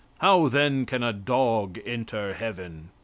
How, then, can a dog enter heaven?"